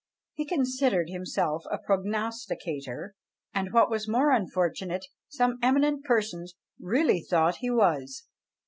He considered himself a prognosticator; and, what was more unfortunate, some eminent persons really thought he was.